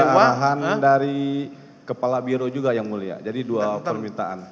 tapi itu juga arahan dari kepala biro juga yang mulia jadi dua permintaan